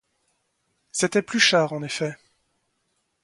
C'était Pluchart, en effet.